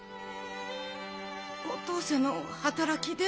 お登勢の働きで？